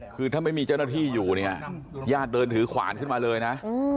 คือถ้าไม่มีเจ้าหน้าที่อยู่เนี่ยญาติเดินถือขวานขึ้นมาเลยนะ